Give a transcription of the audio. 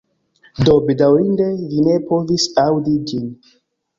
Do, bedaŭrinde vi ne povis aŭdi ĝin